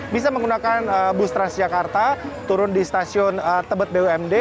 bisa menggunakan bus transjakarta turun di stasiun tebet bumd